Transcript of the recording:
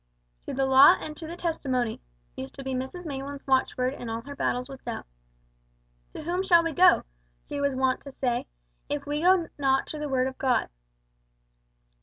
"To the law and to the testimony" used to be Mrs Maylands' watchword in all her battles with Doubt. "To whom shall we go," she was wont to say, "if we go not to the Word of God?"